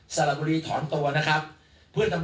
สรรพบริธรรมตัว